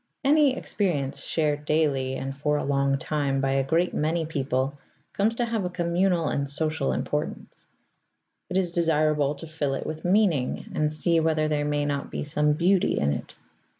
Any experience shared daily and for a long time by a great many people comes to have a communal and social importance; it is desirable to fill it with meaning and see whether there may not be some beauty in it.